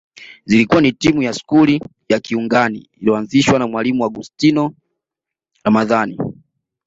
Zilikuwa ni timu ya skuli ya Kiungani iliyoanzishwa na Mwalimu Augostino Ramadhani